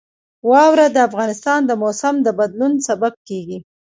واوره د افغانستان د موسم د بدلون سبب کېږي.